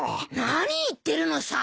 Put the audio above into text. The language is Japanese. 何言ってるのさ！